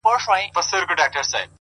زه ته او سپوږمۍ